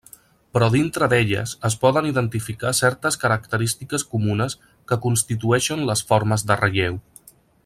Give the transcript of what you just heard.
Però dintre d'elles es poden identificar certes característiques comunes que constitueixen les formes de relleu.